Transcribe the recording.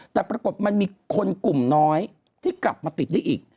แต่ปรากฏมันมีคนกลุ่มน้อยที่กลับมาติดได้อีก